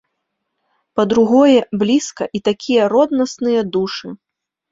Па-другое, блізка, і такія роднасныя душы!